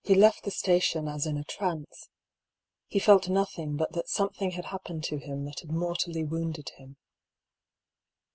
He left the station as in a trance. He felt nothing but that something had happened to him that had mor tally wounded him.